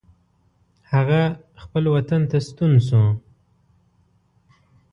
هغه خپل وطن ته ستون شو.